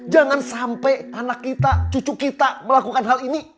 jangan sampai anak kita cucu kita melakukan hal ini